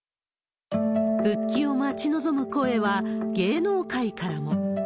復帰を待ち望む声は、芸能界からも。